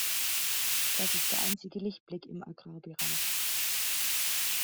Das ist der einzige Lichtblick im Agrarbereich.